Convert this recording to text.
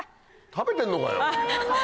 食べてんのかよ！